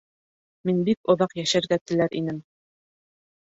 Мин бик оҙаҡ йәшәргә теләр инем.